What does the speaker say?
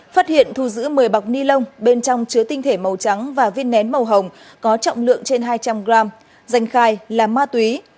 phát hiện thu giữ một mươi bọc ni lông bên trong chứa tinh thể màu trắng và viên nén màu hồng có trọng lượng trên hai trăm linh g danh khai là ma túy